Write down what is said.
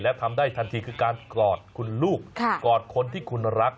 และทำได้ทันทีคือการกอดคุณลูกกอดคนที่คุณรัก